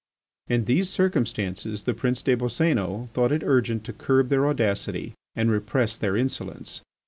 In these circumstances the Prince des Boscénos thought it urgent to curb their audacity and repress their insolence.